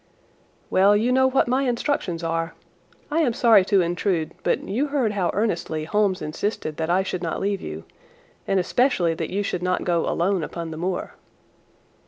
"Well, you know what my instructions are. I am sorry to intrude, but you heard how earnestly Holmes insisted that I should not leave you, and especially that you should not go alone upon the moor."